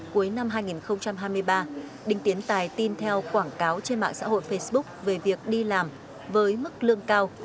cuối năm hai nghìn hai mươi ba đinh tiến tài tin theo quảng cáo trên mạng xã hội facebook về việc đi làm với mức lương cao